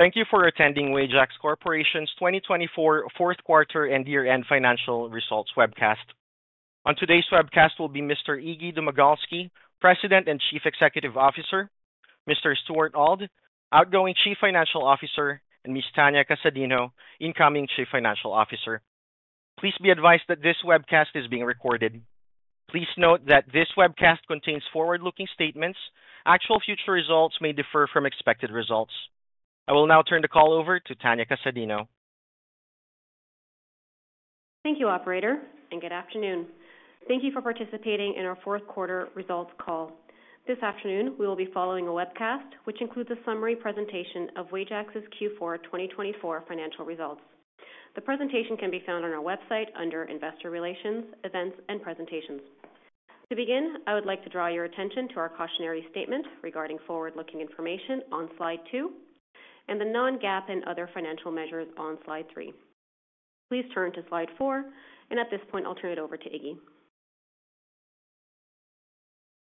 Thank you for attending Wajax Corporation's 2024 Fourth Quarter and Year-End Financial Results Webcast. On today's webcast will be Mr. Iggy Domagalski, President and Chief Executive Officer, Mr. Stuart Auld, Outgoing Chief Financial Officer, and Ms. Tania Casadinho, Incoming Chief Financial Officer. Please be advised that this webcast is being recorded. Please note that this webcast contains forward-looking statements. Actual future results may differ from expected results. I will now turn the call over to Tania Casadinho. Thank you, Operator, and good afternoon. Thank you for participating in our Fourth Quarter Results Call. This afternoon, we will be following a webcast which includes a summary presentation of Wajax's Q4 2024 financial results. The presentation can be found on our website under Investor Relations, Events, and Presentations. To begin, I would like to draw your attention to our cautionary statement regarding forward-looking information on Slide two and the non-GAAP and other financial measures on Slide three. Please turn to Slide four, and at this point, I'll turn it over to Iggy.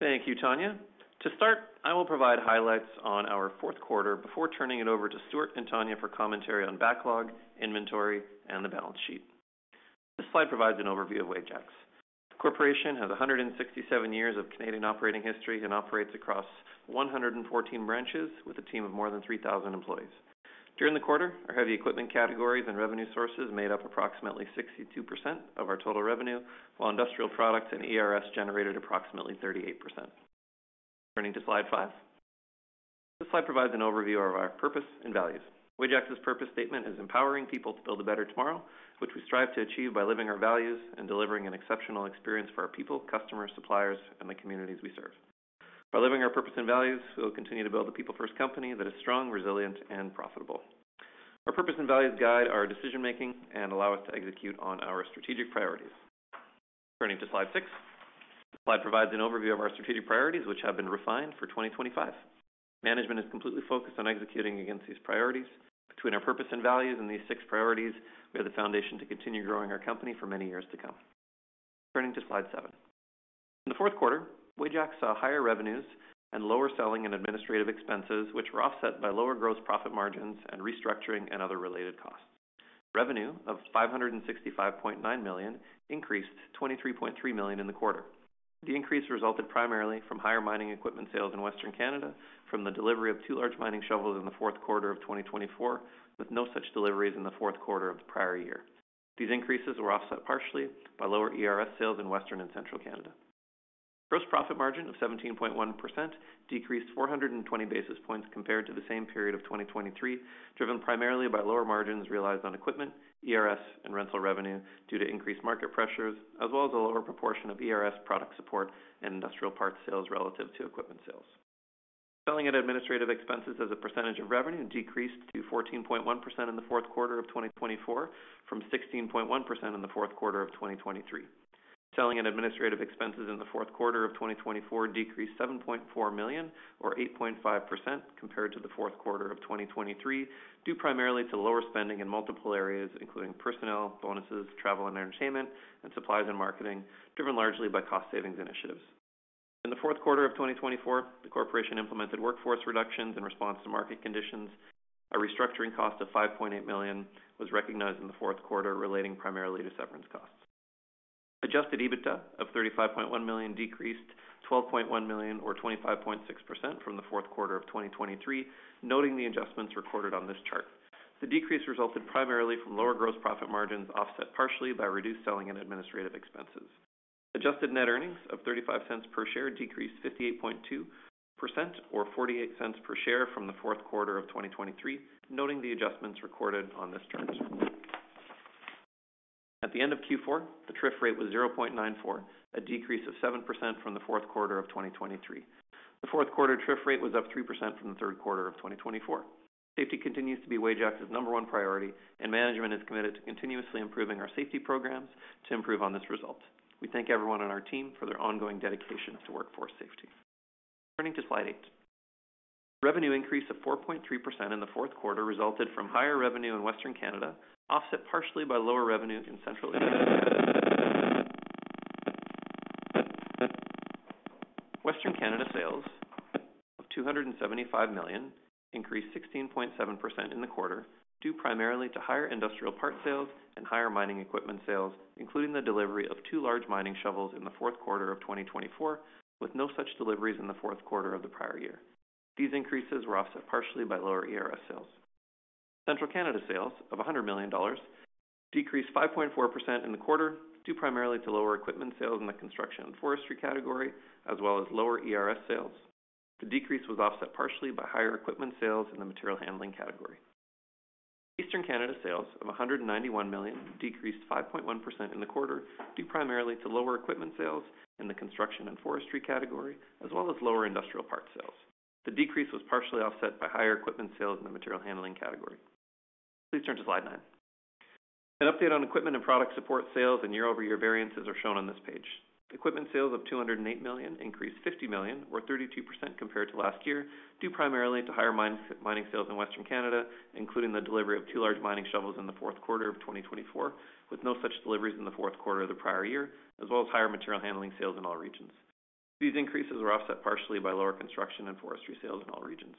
Thank you, Tania. To start, I will provide highlights on our fourth quarter before turning it over to Stuart and Tania for commentary on backlog, inventory, and the balance sheet. This slide provides an overview of Wajax. The corporation has 167 years of Canadian operating history and operates across 114 branches with a team of more than 3,000 employees. During the quarter, our heavy equipment categories and revenue sources made up approximately 62% of our total revenue, while industrial products and ERS generated approximately 38%. Turning to Slide five, this slide provides an overview of our purpose and values. Wajax's purpose statement is "Empowering people to build a better tomorrow," which we strive to achieve by living our values and delivering an exceptional experience for our people, customers, suppliers, and the communities we serve. By living our purpose and values, we'll continue to build a people-first company that is strong, resilient, and profitable. Our purpose and values guide our decision-making and allow us to execute on our strategic priorities. Turning to Slide six, this slide provides an overview of our strategic priorities, which have been refined for 2025. Management is completely focused on executing against these priorities. Between our purpose and values and these six priorities, we have the foundation to continue growing our company for many years to come. Turning to Slide seven, in the fourth quarter, Wajax saw higher revenues and lower selling and administrative expenses, which were offset by lower gross profit margins and restructuring and other related costs. Revenue of 565.9 million increased 23.3 million in the quarter. The increase resulted primarily from higher mining equipment sales in Western Canada from the delivery of two large mining shovels in the fourth quarter of 2024, with no such deliveries in the fourth quarter of the prior year. These increases were offset partially by lower ERS sales in Western and Central Canada. Gross profit margin of 17.1% decreased 420 basis points compared to the same period of 2023, driven primarily by lower margins realized on equipment, ERS, and rental revenue due to increased market pressures, as well as a lower proportion of ERS product support and industrial parts sales relative to equipment sales. Selling and administrative expenses as a percentage of revenue decreased to 14.1% in the fourth quarter of 2024 from 16.1% in the fourth quarter of 2023. Selling and administrative expenses in the fourth quarter of 2024 decreased 7.4 million, or 8.5%, compared to the fourth quarter of 2023, due primarily to lower spending in multiple areas including personnel, bonuses, travel and entertainment, and supplies and marketing, driven largely by cost savings initiatives. In the fourth quarter of 2024, the corporation implemented workforce reductions in response to market conditions. A restructuring cost of 5.8 million was recognized in the fourth quarter, relating primarily to severance costs. Adjusted EBITDA of 35.1 million decreased 12.1 million, or 25.6%, from the fourth quarter of 2023, noting the adjustments recorded on this chart. The decrease resulted primarily from lower gross profit margins offset partially by reduced selling and administrative expenses. Adjusted net earnings of 0.35 per share decreased 58.2%, or 0.48 per share, from the fourth quarter of 2023, noting the adjustments recorded on this chart. At the end of Q4, the TRIF rate was 0.94, a decrease of 7% from the fourth quarter of 2023. The fourth quarter TRIF rate was up 3% from the third quarter of 2024. Safety continues to be Wajax's number one priority, and management is committed to continuously improving our safety programs to improve on this result. We thank everyone on our team for their ongoing dedication to workforce safety. Turning to Slide eight, the revenue increase of 4.3% in the fourth quarter resulted from higher revenue in Western Canada, offset partially by lower revenue in Central. Western Canada sales of 275 million increased 16.7% in the quarter, due primarily to higher industrial parts sales and higher mining equipment sales, including the delivery of two large mining shovels in the fourth quarter of 2024, with no such deliveries in the fourth quarter of the prior year. These increases were offset partially by lower ERS sales. Central Canada sales of 100 million dollars decreased 5.4% in the quarter, due primarily to lower equipment sales in the construction and forestry category, as well as lower ERS sales. The decrease was offset partially by higher equipment sales in the material handling category. Eastern Canada sales of 191 million decreased 5.1% in the quarter, due primarily to lower equipment sales in the construction and forestry category, as well as lower industrial parts sales. The decrease was partially offset by higher equipment sales in the material handling category. Please turn to Slide nine. An update on equipment and product support sales and year-over-year variances are shown on this page. Equipment sales of 208 million increased 50 million, or 32%, compared to last year, due primarily to higher mining sales in Western Canada, including the delivery of two large mining shovels in the fourth quarter of 2024, with no such deliveries in the fourth quarter of the prior year, as well as higher material handling sales in all regions. These increases were offset partially by lower construction and forestry sales in all regions.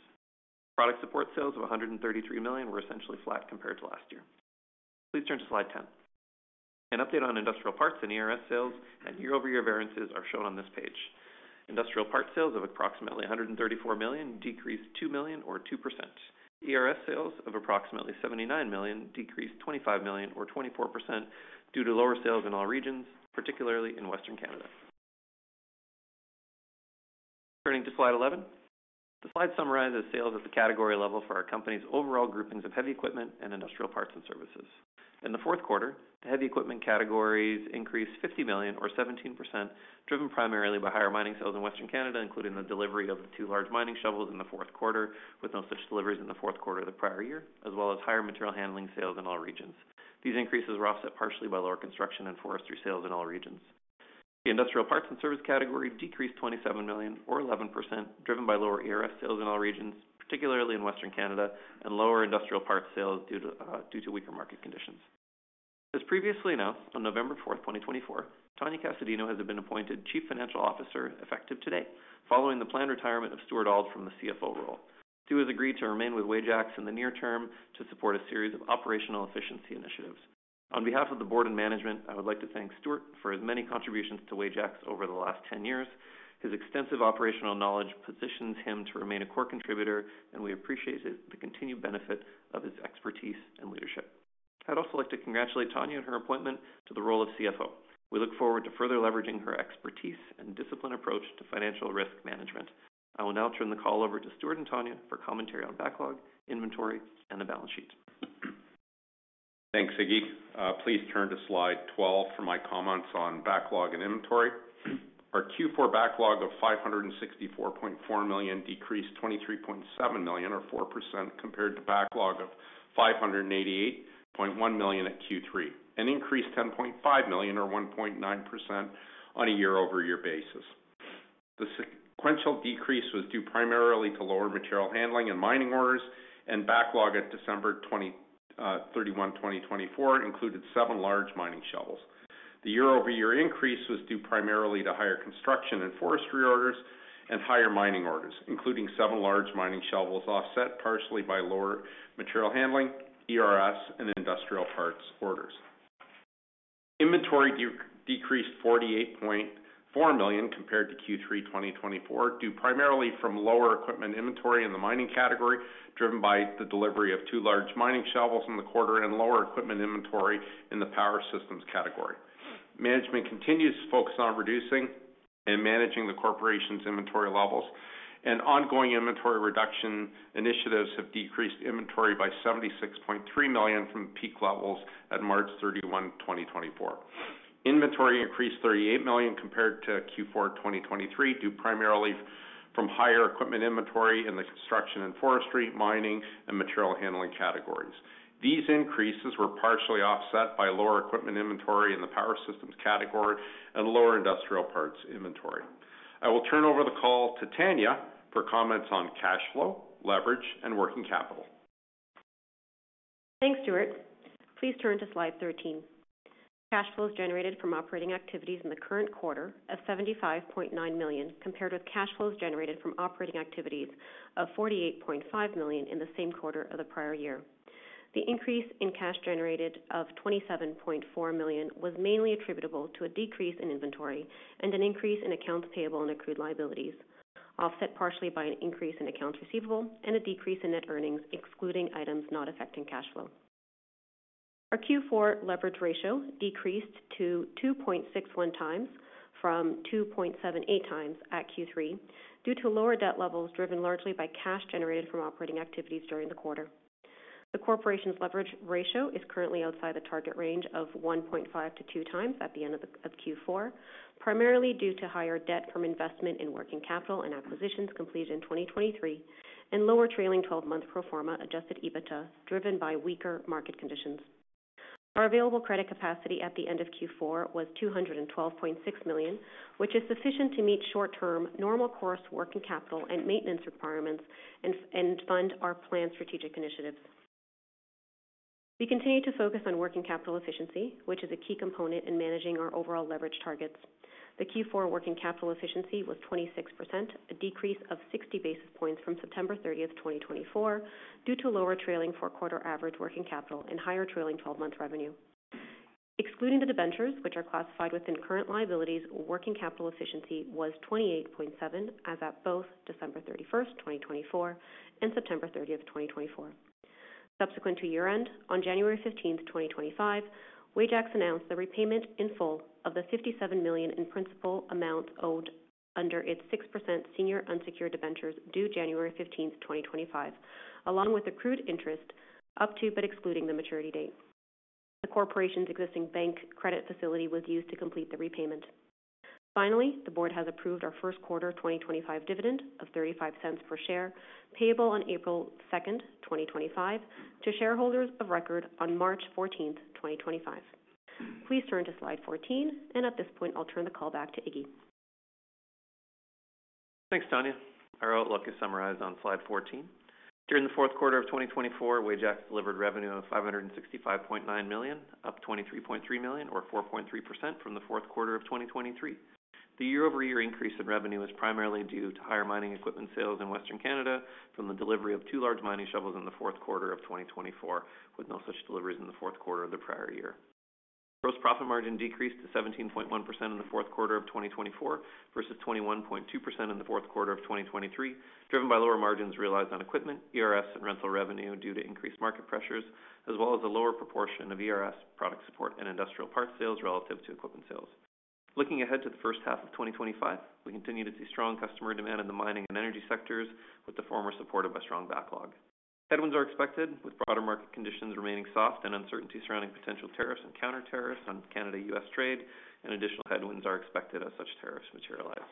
Product support sales of 133 million were essentially flat compared to last year. Please turn to Slide 10. An update on industrial parts and ERS sales and year-over-year variances are shown on this page. Industrial parts sales of approximately 134 million decreased 2 million, or 2%. ERS sales of approximately 79 million decreased 25 million, or 24%, due to lower sales in all regions, particularly in Western Canada. Turning to Slide 11, the slide summarizes sales at the category level for our company's overall groupings of heavy equipment and industrial parts and services. In the fourth quarter, the heavy equipment categories increased 50 million, or 17%, driven primarily by higher mining sales in Western Canada, including the delivery of the two large mining shovels in the fourth quarter, with no such deliveries in the fourth quarter of the prior year, as well as higher material handling sales in all regions. These increases were offset partially by lower construction and forestry sales in all regions. The industrial parts and service category decreased 27 million, or 11%, driven by lower ERS sales in all regions, particularly in Western Canada, and lower industrial parts sales due to weaker market conditions. As previously announced, on November 4, 2024, Tania Casadinho, who has been appointed Chief Financial Officer effective today, following the planned retirement of Stuart Auld from the CFO role. He has agreed to remain with Wajax in the near term to support a series of operational efficiency initiatives. On behalf of the board and management, I would like to thank Stuart for his many contributions to Wajax over the last 10 years. His extensive operational knowledge positions him to remain a core contributor, and we appreciate the continued benefit of his expertise and leadership. I'd also like to congratulate Tania on her appointment to the role of CFO. We look forward to further leveraging her expertise and disciplined approach to financial risk management. I will now turn the call over to Stuart and Tania for commentary on backlog, inventory, and the balance sheet. Thanks, Iggy. Please turn to Slide 12 for my comments on backlog and inventory. Our Q4 backlog of 564.4 million decreased 23.7 million, or 4%, compared to backlog of 588.1 million at Q3, and increased 10.5 million, or 1.9%, on a year-over-year basis. The sequential decrease was due primarily to lower material handling and mining orders, and backlog at December 31, 2024, included seven large mining shovels. The year-over-year increase was due primarily to higher construction and forestry orders and higher mining orders, including seven large mining shovels offset partially by lower material handling, ERS, and industrial parts orders. Inventory decreased 48.4 million compared to Q3 2024, due primarily from lower equipment inventory in the mining category, driven by the delivery of two large mining shovels in the quarter and lower equipment inventory in the power systems category. Management continues to focus on reducing and managing the corporation's inventory levels, and ongoing inventory reduction initiatives have decreased inventory by 76.3 million from peak levels at March 31, 2024. Inventory increased 38 million compared to Q4 2023, due primarily from higher equipment inventory in the construction and forestry, mining, and material handling categories. These increases were partially offset by lower equipment inventory in the power systems category and lower industrial parts inventory. I will turn over the call to Tania for comments on cash flow, leverage, and working capital. Thanks, Stuart. Please turn to Slide 13. Cash flows generated from operating activities in the current quarter of 75.9 million, compared with cash flows generated from operating activities of 48.5 million in the same quarter of the prior year. The increase in cash generated of 27.4 million was mainly attributable to a decrease in inventory and an increase in accounts payable and accrued liabilities, offset partially by an increase in accounts receivable and a decrease in net earnings, excluding items not affecting cash flow. Our Q4 leverage ratio decreased to 2.61 times from 2.78 times at Q3 due to lower debt levels driven largely by cash generated from operating activities during the quarter. The corporation's leverage ratio is currently outside the target range of 1.5-2 times at the end of Q4, primarily due to higher debt from investment in working capital and acquisitions completed in 2023 and lower trailing 12-month pro forma Adjusted EBITDA driven by weaker market conditions. Our available credit capacity at the end of Q4 was 212.6 million, which is sufficient to meet short-term normal course working capital and maintenance requirements and fund our planned strategic initiatives. We continue to focus on working capital efficiency, which is a key component in managing our overall leverage targets. The Q4 working capital efficiency was 26%, a decrease of 60 basis points from September 30, 2024, due to lower trailing fourth quarter average working capital and higher trailing 12-month revenue. Excluding the debentures, which are classified within current liabilities, working capital efficiency was 28.7 as at both December 31st, 2024, and September 30th, 2024. Subsequent to year-end, on January 15, 2025, Wajax announced the repayment in full of the 57 million in principal amount owed under its 6% senior unsecured debentures due January 15, 2025, along with accrued interest up to but excluding the maturity date. The corporation's existing bank credit facility was used to complete the repayment. Finally, the board has approved our First Quarter 2025 dividend of 0.35 per share, payable on April 2nd, 2025, to shareholders of record on March 14, 2025. Please turn to Slide 14, and at this point, I'll turn the call back to Iggy. Thanks, Tania. Our outlook is summarized on Slide 14. During the fourth quarter of 2024, Wajax delivered revenue of 565.9 million, up 23.3 million, or 4.3%, from the fourth quarter of 2023. The year-over-year increase in revenue is primarily due to higher mining equipment sales in Western Canada from the delivery of two large mining shovels in the fourth quarter of 2024, with no such deliveries in the fourth quarter of the prior year. Gross profit margin decreased to 17.1% in the fourth quarter of 2024 versus 21.2% in the fourth quarter of 2023, driven by lower margins realized on equipment, ERS, and rental revenue due to increased market pressures, as well as a lower proportion of ERS, product support, and industrial parts sales relative to equipment sales. Looking ahead to the first half of 2025, we continue to see strong customer demand in the mining and energy sectors, with the former supported by strong backlog. Headwinds are expected, with broader market conditions remaining soft and uncertainty surrounding potential tariffs and countertariffs on Canada-U.S. trade, and additional headwinds are expected as such tariffs materialize.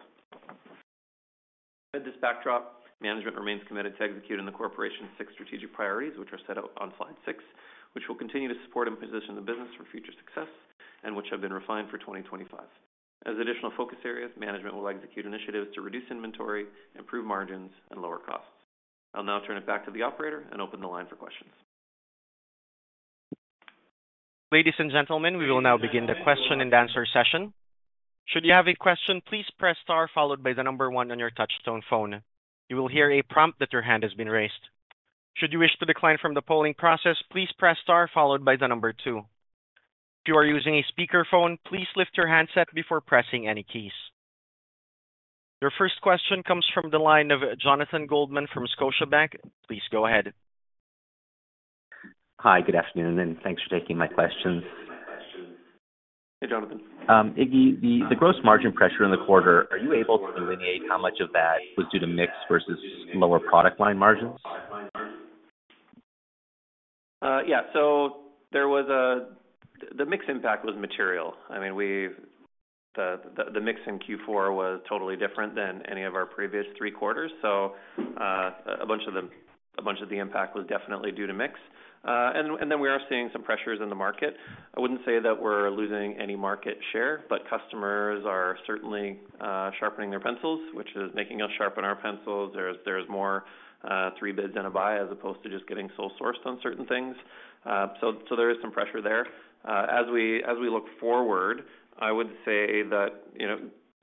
Amid this backdrop, management remains committed to executing the corporation's six strategic priorities, which are set out on Slide six, which will continue to support and position the business for future success and which have been refined for 2025. As additional focus areas, management will execute initiatives to reduce inventory, improve margins, and lower costs. I'll now turn it back to the operator and open the line for questions. Ladies and gentlemen, we will now begin the question-and-answer session. Should you have a question, please press star followed by the number one on your touch-tone phone. You will hear a prompt that your hand has been raised. Should you wish to decline from the polling process, please press star followed by the number two. If you are using a speakerphone, please lift your handset before pressing any keys. Your first question comes from the line of Jonathan Goldman from Scotiabank. Please go ahead. Hi, good afternoon, and thanks for taking my questions. Hey, Jonathan. Iggy, the gross margin pressure in the quarter, are you able to delineate how much of that was due to mix versus lower product line margins? Yeah. There was a mix impact that was material. I mean, the mix in Q4 was totally different than any of our previous three quarters. A bunch of the impact was definitely due to mix. We are seeing some pressures in the market. I would not say that we are losing any market share, but customers are certainly sharpening their pencils, which is making us sharpen our pencils. There are more three bids and a buy as opposed to just getting sole-sourced on certain things. There is some pressure there. As we look forward, I would say that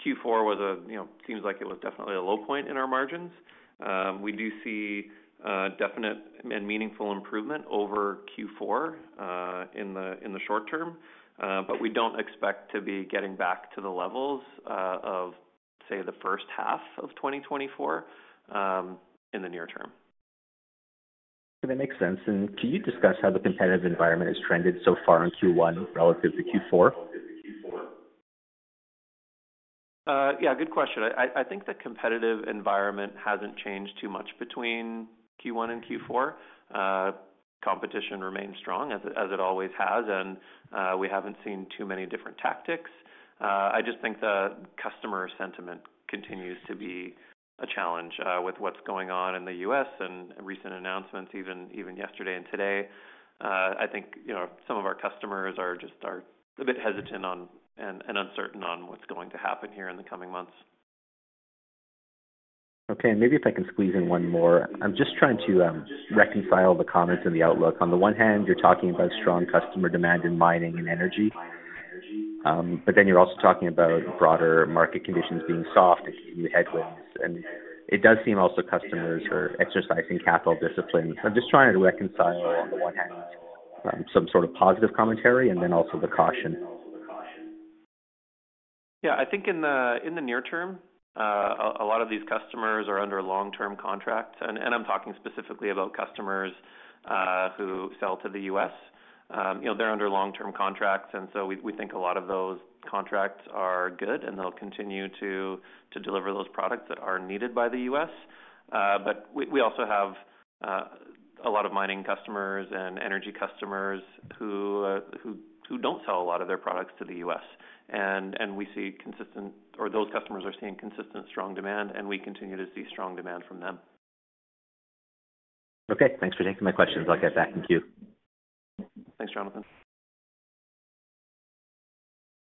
Q4 seems like it was definitely a low point in our margins. We do see definite and meaningful improvement over Q4 in the short term, but we do not expect to be getting back to the levels of, say, the first half of 2024 in the near term. That makes sense. Can you discuss how the competitive environment has trended so far in Q1 relative to Q4? Yeah. Good question. I think the competitive environment hasn't changed too much between Q1 and Q4. Competition remains strong, as it always has, and we haven't seen too many different tactics. I just think the customer sentiment continues to be a challenge with what's going on in the U.S. and recent announcements, even yesterday and today. I think some of our customers are just a bit hesitant and uncertain on what's going to happen here in the coming months. Okay. Maybe if I can squeeze in one more. I'm just trying to reconcile the comments and the outlook. On the one hand, you're talking about strong customer demand in mining and energy, but then you're also talking about broader market conditions being soft and continued headwinds. It does seem also customers are exercising capital discipline. I'm just trying to reconcile, on the one hand, some sort of positive commentary and then also the caution. Yeah. I think in the near term, a lot of these customers are under long-term contracts. I'm talking specifically about customers who sell to the U.S. They're under long-term contracts, so we think a lot of those contracts are good, and they'll continue to deliver those products that are needed by the U.S. We also have a lot of mining customers and energy customers who don't sell a lot of their products to the U.S. We see consistent, or those customers are seeing consistent strong demand, and we continue to see strong demand from them. Okay. Thanks for taking my questions. I'll get back. Thank you. Thanks, Jonathan.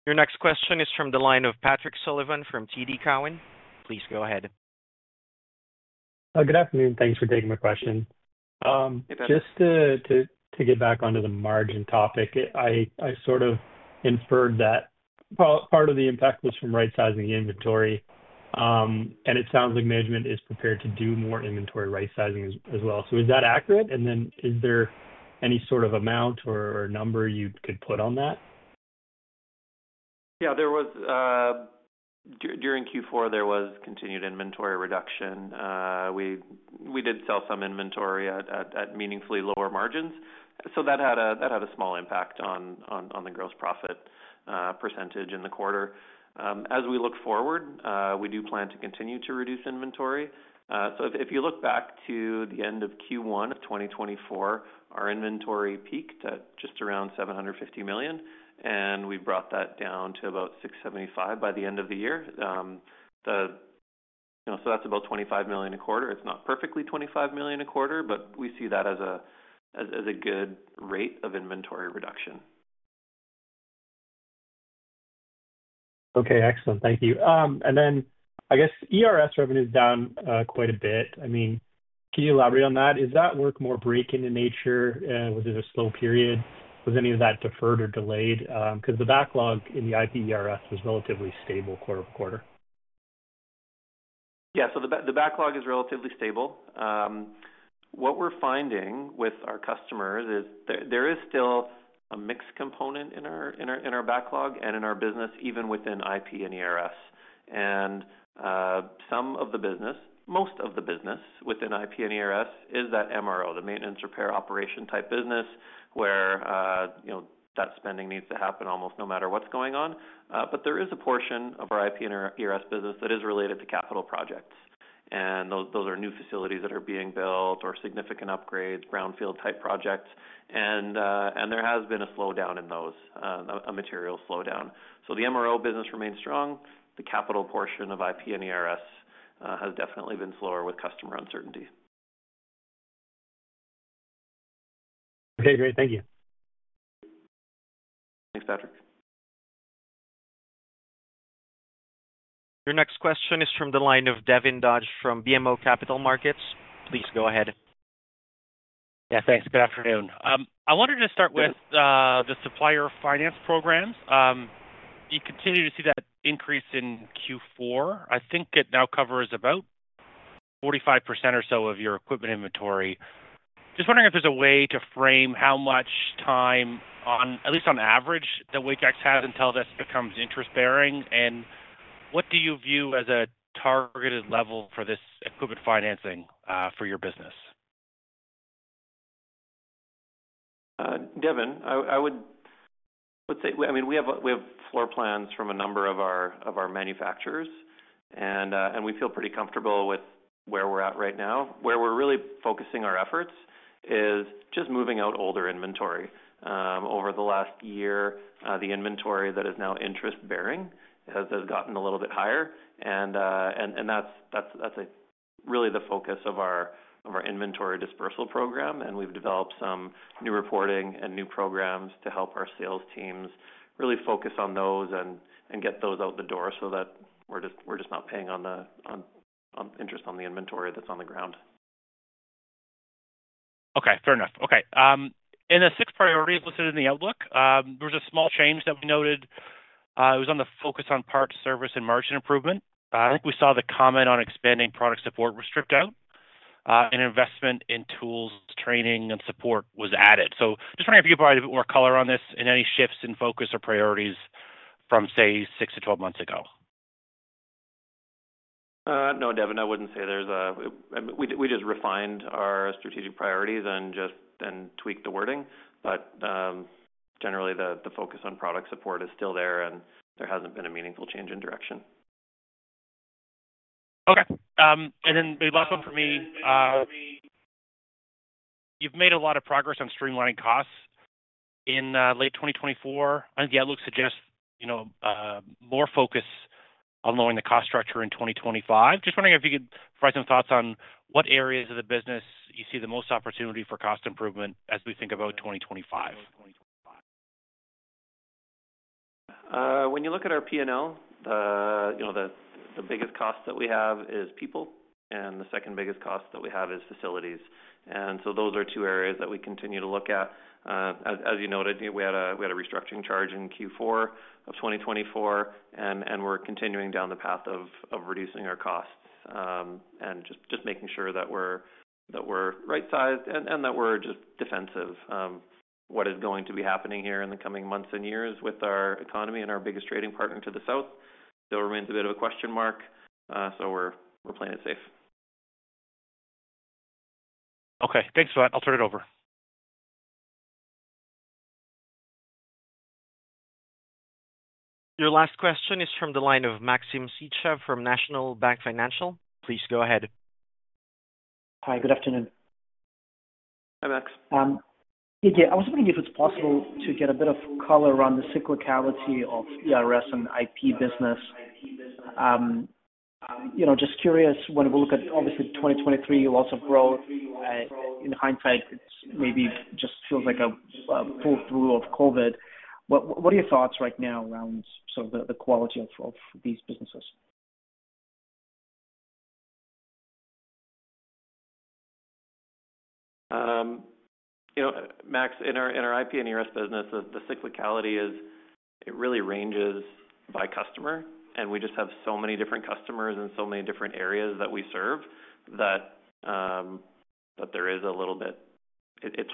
Your next question is from the line of Patrick Sullivan from TD Cowen. Please go ahead. Good afternoon. Thanks for taking my question. Just to get back onto the margin topic, I sort of inferred that part of the impact was from right-sizing inventory, and it sounds like management is prepared to do more inventory right-sizing as well. Is that accurate? Is there any sort of amount or number you could put on that? Yeah. During Q4, there was continued inventory reduction. We did sell some inventory at meaningfully lower margins. That had a small impact on the gross profit % in the quarter. As we look forward, we do plan to continue to reduce inventory. If you look back to the end of Q1 of 2024, our inventory peaked at just around 750 million, and we brought that down to about 675 million by the end of the year. That is about 25 million a quarter. It is not perfectly 25 million a quarter, but we see that as a good rate of inventory reduction. Okay. Excellent. Thank you. I guess ERS revenue is down quite a bit. I mean, can you elaborate on that? Is that work more breaking in nature? Was it a slow period? Was any of that deferred or delayed? Because the backlog in the IP ERS was relatively stable quarter to quarter. Yeah. The backlog is relatively stable. What we're finding with our customers is there is still a mix component in our backlog and in our business, even within IP and ERS. Some of the business, most of the business within IP and ERS, is that MRO, the maintenance repair operation type business, where that spending needs to happen almost no matter what's going on. There is a portion of our IP and ERS business that is related to capital projects. Those are new facilities that are being built or significant upgrades, brownfield-type projects. There has been a slowdown in those, a material slowdown. The MRO business remains strong. The capital portion of IP and ERS has definitely been slower with customer uncertainty. Okay. Great. Thank you. Thanks, Patrick. Your next question is from the line of Devin Dodge from BMO Capital Markets. Please go ahead. Yeah. Thanks. Good afternoon. I wanted to start with the supplier finance programs. You continue to see that increase in Q4. I think it now covers about 45% or so of your equipment inventory. Just wondering if there's a way to frame how much time, at least on average, that Wajax has until this becomes interest-bearing. And what do you view as a targeted level for this equipment financing for your business? Devin, I would say, I mean, we have floor plans from a number of our manufacturers, and we feel pretty comfortable with where we're at right now. Where we're really focusing our efforts is just moving out older inventory. Over the last year, the inventory that is now interest-bearing has gotten a little bit higher. That is really the focus of our inventory dispersal program. We have developed some new reporting and new programs to help our sales teams really focus on those and get those out the door so that we're just not paying on interest on the inventory that's on the ground. Okay. Fair enough. Okay. In the six priorities listed in the outlook, there was a small change that we noted. It was on the focus on parts, service, and margin improvement. I think we saw the comment on expanding product support was stripped out, and investment in tools, training, and support was added. Just wondering if you could provide a bit more color on this and any shifts in focus or priorities from, say, six to 12 months ago. No, Devin, I wouldn't say there's a—we just refined our strategic priorities and tweaked the wording. Generally, the focus on product support is still there, and there hasn't been a meaningful change in direction. Okay. Maybe last one from me. You've made a lot of progress on streamlining costs in late 2024. The outlook suggests more focus on lowering the cost structure in 2025. Just wondering if you could provide some thoughts on what areas of the business you see the most opportunity for cost improvement as we think about 2025. When you look at our P&L, the biggest cost that we have is people, and the second biggest cost that we have is facilities. Those are two areas that we continue to look at. As you noted, we had a restructuring charge in Q4 of 2024, and we're continuing down the path of reducing our costs and just making sure that we're right-sized and that we're just defensive. What is going to be happening here in the coming months and years with our economy and our biggest trading partner to the south still remains a bit of a question mark. We are playing it safe. Okay. Thanks for that. I'll turn it over. Your last question is from the line of Maxim Sytchev from National Bank Financial. Please go ahead. Hi. Good afternoon. Hi, Max. Iggy, I was wondering if it's possible to get a bit of color around the cyclicality of ERS and IP business. Just curious, when we look at, obviously, 2023, lots of growth. In hindsight, it maybe just feels like a pull-through of COVID. What are your thoughts right now around sort of the quality of these businesses? Max, in our IP and ERS business, the cyclicality really ranges by customer. We just have so many different customers and so many different areas that we serve that it is a little bit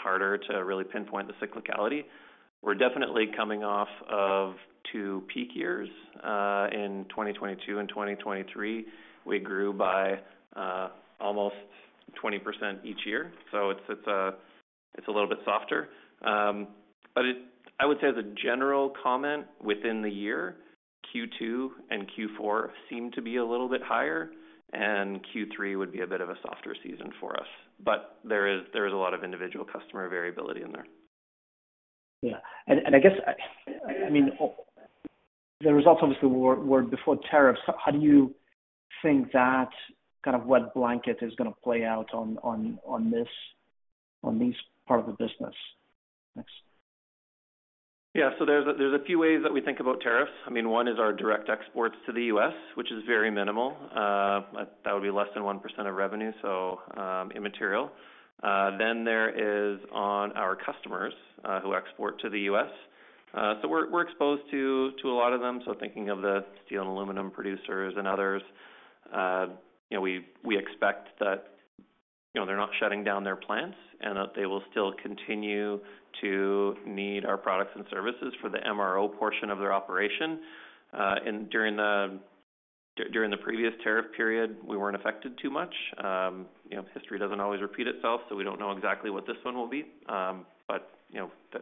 harder to really pinpoint the cyclicality. We are definitely coming off of two peak years. In 2022 and 2023, we grew by almost 20% each year. It is a little bit softer. I would say, as a general comment, within the year, Q2 and Q4 seem to be a little bit higher, and Q3 would be a bit of a softer season for us. There is a lot of individual customer variability in there. Yeah. I guess, I mean, the results obviously were before tariffs. How do you think that kind of wet blanket is going to play out on this part of the business? Yeah. There are a few ways that we think about tariffs. I mean, one is our direct exports to the U.S., which is very minimal. That would be less than 1% of revenue, so immaterial. There is also our customers who export to the U.S. We are exposed to a lot of them. Thinking of the steel and aluminum producers and others, we expect that they are not shutting down their plants, and that they will still continue to need our products and services for the MRO portion of their operation. During the previous tariff period, we were not affected too much. History does not always repeat itself, so we do not know exactly what this one will be.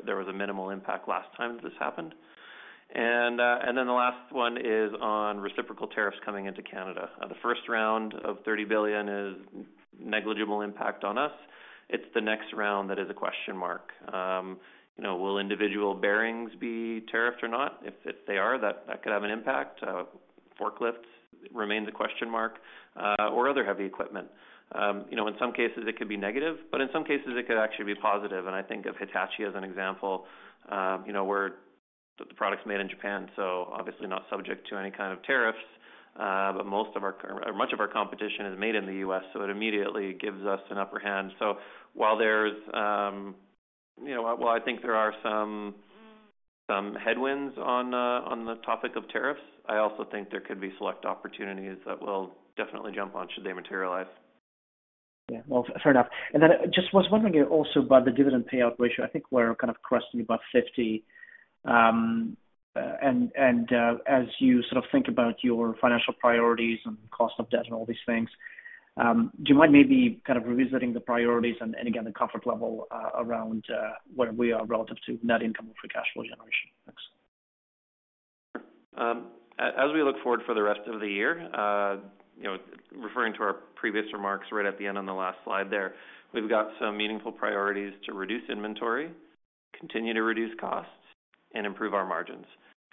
There was a minimal impact last time this happened. The last one is on reciprocal tariffs coming into Canada. The first round of $30 billion is negligible impact on us. It's the next round that is a question mark. Will individual bearings be tariffed or not? If they are, that could have an impact. Forklifts remains a question mark. Other heavy equipment. In some cases, it could be negative, but in some cases, it could actually be positive. I think of Hitachi as an example. The product's made in Japan, so obviously not subject to any kind of tariffs. Most of our—or much of our competition is made in the U.S., so it immediately gives us an upper hand. I think there are some headwinds on the topic of tariffs. I also think there could be select opportunities that we'll definitely jump on should they materialize. Yeah. Fair enough. I was wondering also about the dividend payout ratio. I think we're kind of cresting about 50%. As you sort of think about your financial priorities and cost of debt and all these things, do you mind maybe kind of revisiting the priorities and, again, the comfort level around where we are relative to net income for cash flow generation? As we look forward for the rest of the year, referring to our previous remarks right at the end on the last slide there, we've got some meaningful priorities to reduce inventory, continue to reduce costs, and improve our margins.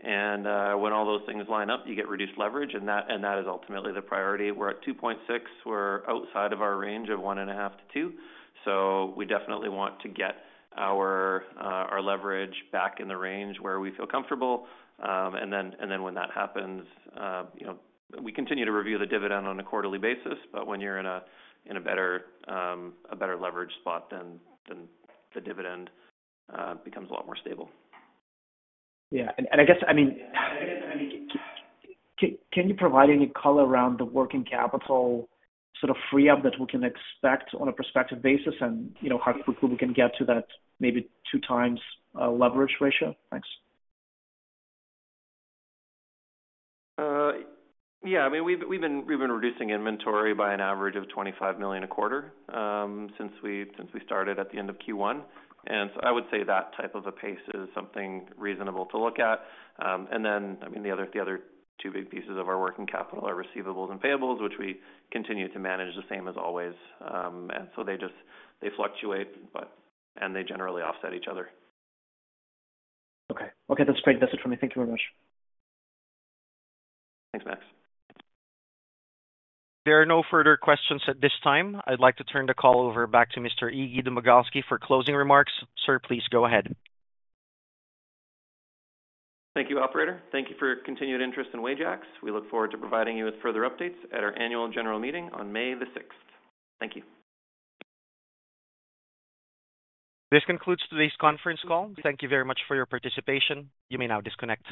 When all those things line up, you get reduced leverage, and that is ultimately the priority. We're at 2.6. We're outside of our range of one and a half to two. We definitely want to get our leverage back in the range where we feel comfortable. When that happens, we continue to review the dividend on a quarterly basis. When you're in a better leverage spot, then the dividend becomes a lot more stable. Yeah. I guess, I mean, can you provide any color around the working capital sort of free-up that we can expect on a prospective basis and how quickly we can get to that maybe two-times leverage ratio? Thanks. Yeah. I mean, we've been reducing inventory by an average of 25 million a quarter since we started at the end of Q1. I would say that type of a pace is something reasonable to look at. I mean, the other two big pieces of our working capital are receivables and payables, which we continue to manage the same as always. They fluctuate, and they generally offset each other. Okay. Okay. That's great. That's it from me. Thank you very much. Thanks, Max. There are no further questions at this time. I'd like to turn the call over back to Mr. Iggy Domagalski for closing remarks. Sir, please go ahead. Thank you, operator. Thank you for your continued interest in Wajax. We look forward to providing you with further updates at our annual general meeting on May the 6th. Thank you. This concludes today's conference call. Thank you very much for your participation. You may now disconnect.